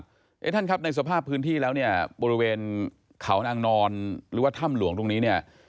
ท่านครับในสภาพพื้นที่แล้วเนี่ยบริเวณเขานางนอนหรือว่าถ้ำหลวงตรงนี้เนี่ย